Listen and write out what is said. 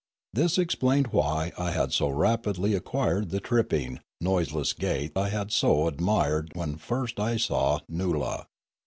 This explained why I had so rapidly acquired the tripping, noiseless gait I had so admired when first I saw Noola.